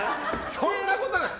そんなことない。